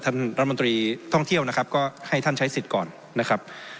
ท่านรัฐมนตรีท่องเที่ยวนะครับก็ให้ท่านใช้สิทธิ์ก่อนนะครับ